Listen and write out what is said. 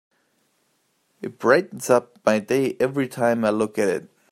It brightens up my day every time I look at it.